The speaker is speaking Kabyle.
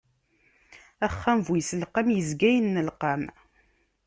Axxam bu iselqam, izga innelqam.